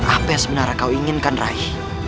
apa yang sebenarnya kau inginkan raih